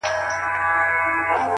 خو د چا يو ويښته له سر ايستلی نه و!!